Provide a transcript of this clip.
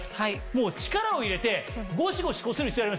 もう力を入れてゴシゴシこする必要はありません。